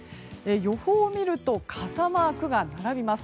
予報を見ると傘マークが並びます。